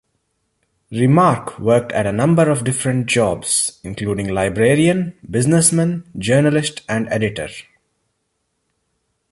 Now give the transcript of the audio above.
Remarque worked at a number of different jobs, including librarian, businessman, journalist, and editor.